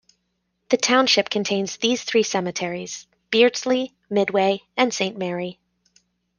The township contains these three cemeteries: Beardsley, Midway and Saint Mary.